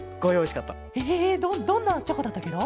ええどどんなチョコだったケロ？